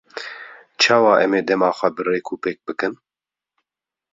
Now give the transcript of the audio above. Çawa em ê dema xwe bi rêkûpêk bikin?